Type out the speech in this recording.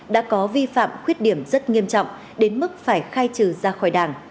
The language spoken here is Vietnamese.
đã có vi phạm khuyết điểm rất nghiêm trọng đến mức phải khai trừ ra khỏi đảng